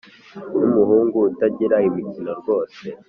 Numuhungu utagira imikino rwose